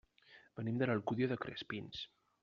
Venim de l'Alcúdia de Crespins.